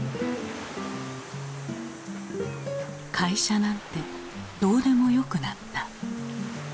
会社なんてどうでもよくなった。